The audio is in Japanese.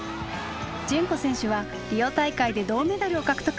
順子選手はリオ大会で銅メダルを獲得。